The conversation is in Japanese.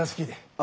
あ。